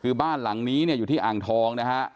คือบ้านหลังนี้เนี่ยอยู่ที่อ่างทองนะฮะ